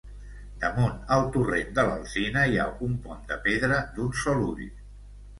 Damunt el torrent de l'Alzina hi ha un pont de pedra d'un sol ull.